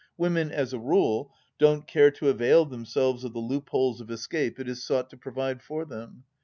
Women, as a rule, don't care to avail themselves of the loopholes of escape it is sought to provide for them.